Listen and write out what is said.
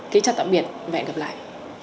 kính chào tạm biệt và hẹn gặp lại